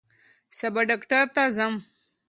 سبا ډاکټر ته ځم